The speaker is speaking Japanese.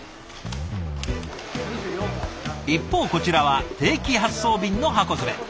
一方こちらは定期発送便の箱詰め。